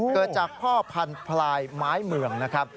เกิดจากพ่อพันธุ์พลายไม้เมืองนะครับ